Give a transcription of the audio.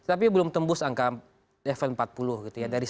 tapi belum tembus angka level empat puluh gitu ya